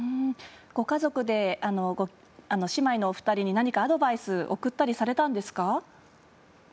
ご家族で姉妹のお二人に何かアドバイス送ったりされたんですか？